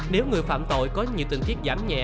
nếu người phạm tội có nhiều tình tiết giảm nhẹ